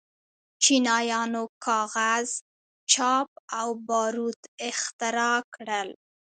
چینایانو کاغذ، چاپ او باروت اختراع کړل.